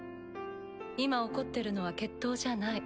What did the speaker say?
今起こってるのは決闘じゃない。